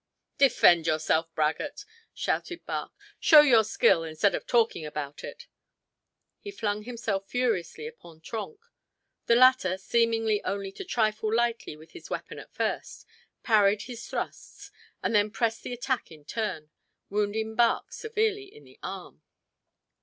"Defend yourself, braggart!" shouted Bach. "Show your skill instead of talking about it." He flung himself furiously upon Trenck. The latter, seeming only to trifle lightly with his weapon at first, parried his thrusts, and then pressed the attack in turn, wounding Bach severely in the arm.